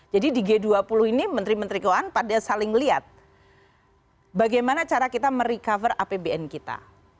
jadi di g dua puluh ini menteri menteri keuangan pada saling lihat bagaimana cara kita merecover apbn kita